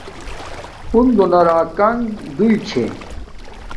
ہنزہ نا راکانݣ دوݵ چھے